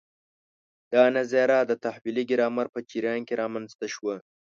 دا نظریه د تحویلي ګرامر په جریان کې رامنځته شوه.